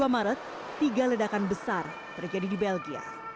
dua puluh maret tiga ledakan besar terjadi di belgia